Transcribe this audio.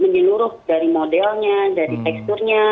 menyeluruh dari modelnya dari teksturnya